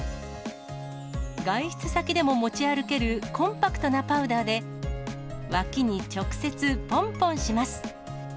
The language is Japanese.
外出先でも持ち歩けるコンパクトなパウダーで、わきに直接、ぽんぽんします。